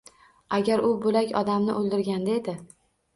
Agar u bo’lak odamni o’ldirganda edi.